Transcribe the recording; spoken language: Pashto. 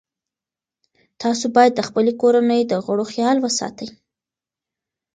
تاسو باید د خپلې کورنۍ د غړو خیال وساتئ.